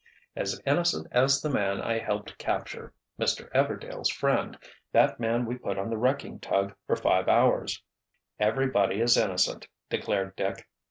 "As innocent as the man I helped capture—Mr. Everdail's friend, that man we put on the wrecking tug for five hours." "Everybody is innocent," declared Dick.